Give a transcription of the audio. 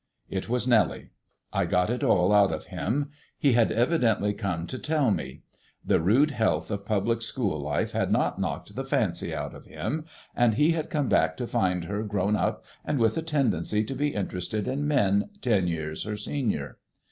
It was Nellie. I got it all out of him. He had evidently come to tell me. The rude health of public school life had not knocked the fancy out of him, and he had come back to find her grown up and with a tendency to be interested in men ten years her senior.